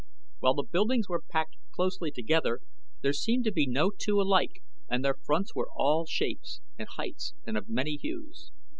While the buildings were packed closely together there seemed to be no two alike and their fronts were of all shapes and heights and of many hues.